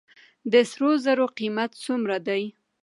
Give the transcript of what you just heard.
د سرو زرو قیمت څومره دی؟